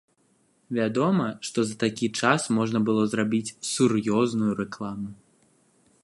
Вядома, што за такі час можна было зрабіць сур'ёзную рэкламу.